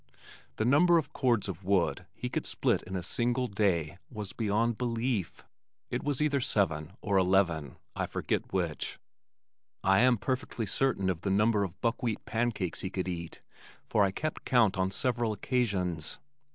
The number of cords of wood he could split in a single day was beyond belief. It was either seven or eleven, I forget which I am perfectly certain of the number of buckwheat pancakes he could eat for I kept count on several occasions.